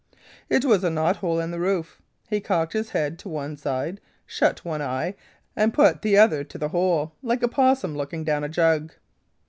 "It was a knot hole in the roof. He cocked his head to one side, shut one eye, and put the other to the hole, like a 'possum looking down a jug.'